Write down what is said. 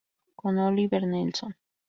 Con Oliver Nelson